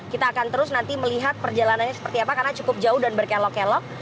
kita akan terus nanti melihat perjalanannya seperti apa karena cukup jauh dan berkelok kelok